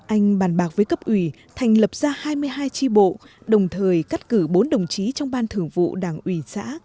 anh bàn bạc với cấp ủy thành lập ra hai mươi hai tri bộ đồng thời cắt cử bốn đồng chí trong ban thưởng vụ đảng ủy xã